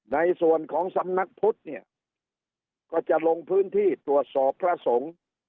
ในส่วนของสำนักพุทธเนี่ยก็จะลงพื้นที่ตรวจสอบพระสงฆ์